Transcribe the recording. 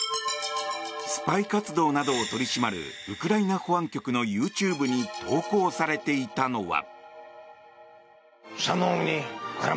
スパイ活動などを取り締まるウクライナ保安局のＹｏｕＴｕｂｅに投稿されていたのは。